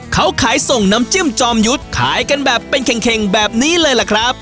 เขาขายส่งน้ำจิ้มจอมยุทธ์ขายกันแบบเป็นเข่งแบบนี้เลยล่ะครับ